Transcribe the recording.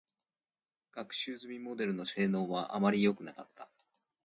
学習済みモデルの性能は、あまりよくなかった。